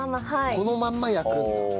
このまんま焼くんだ。